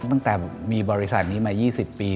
ตั้งแต่มีบริษัทนี้มา๒๐ปี